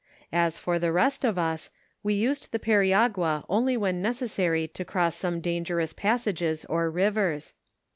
As for the rest of us, we used the periagua only when necessary to cross some dan gerous passages or rivers.